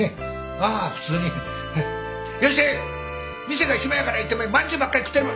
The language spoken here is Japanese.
店が暇やからいうてまんじゅうばっかり食ってるば。